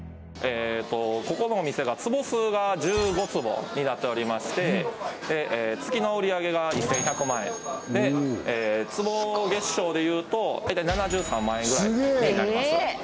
ここのお店が坪数が１５坪になっておりまして月の売り上げが１１００万円で坪月商で言うと大体７３万円ぐらいになります